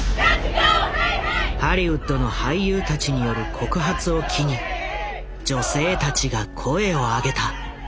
ハリウッドの俳優たちによる告発を機に女性たちが声を上げた。